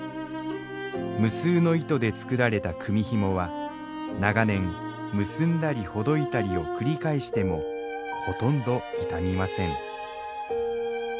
無数の糸で作られた組みひもは長年結んだりほどいたりを繰り返してもほとんど傷みません